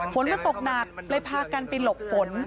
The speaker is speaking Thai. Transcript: ฝนมันตกหนักเลยพากันไปหลบฝน